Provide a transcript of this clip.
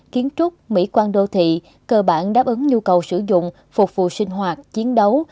kiến trúc mỹ quan đô thị cơ bản đáp ứng nhu cầu sử dụng phục vụ sinh hoạt chiến đấu